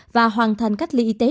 và hoàn thành cách ly y tế